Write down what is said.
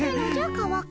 川上。